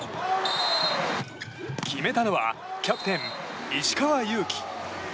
決めたのはキャプテン、石川祐希。